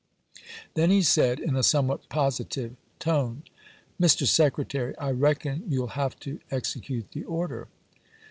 Then he said, in a somewhat positive tone: "Mr. Secretary, I reckon you '11 have to execute the order.?'